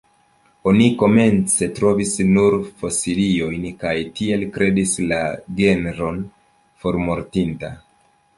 Oni komence trovis nur fosiliojn, kaj tiel kredis la genron formortinta.